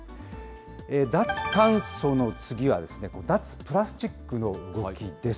脱炭素の次は、脱プラスチックの動きです。